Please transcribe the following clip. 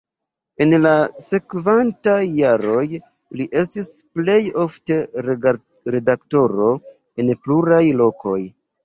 En la sekvantaj jaroj li estis plej ofte redaktoro en pluraj lokoj.